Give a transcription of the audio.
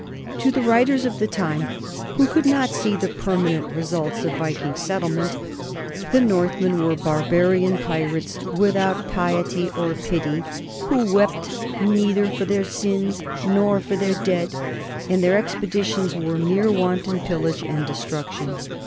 To the writers of the time, who could not see the permanent results of Viking settlement, the Northmen were barbarian pirates, without piety or pity, "who wept neither for their sins nor for their dead," and their ex peditions were mere wanton pillage and destruction.